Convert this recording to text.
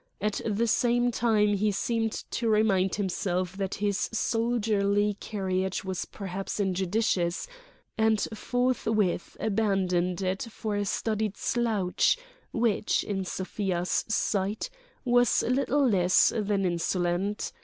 At the same time he seemed to remind himself that his soldierly carriage was perhaps injudicious, and forthwith abandoned it for a studied slouch which, in Sofia's sight, was little less than insolent.